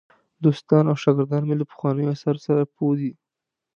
دوستان او شاګردان مې له پخوانیو آثارو سره پوه دي.